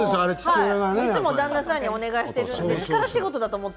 いつも旦那さんにお願いしていて。